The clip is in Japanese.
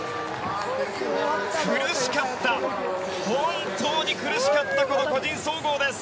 苦しかった、本当に苦しかったこの個人総合です。